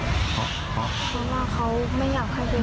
เค้ามีปัญหากับเมียมาก่อนหน้านั้นแล้ว